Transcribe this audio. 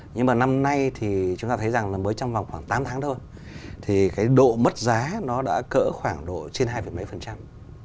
nhưng mà năm nay thì chúng ta thấy rằng là mới trong vòng khoảng tám tháng thôi thì cái độ mất giá nó đã cỡ khoảng độ trên hai mấy phần trăm